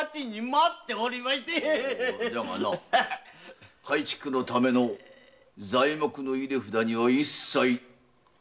だがな改築のための材木の入れ札には一切応じるな。